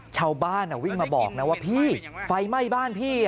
ชาวบ้านวิ่งมาบอกนะว่าพี่ไฟไหม้บ้านพี่